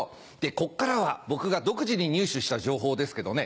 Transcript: こっからは僕が独自に入手した情報ですけどね。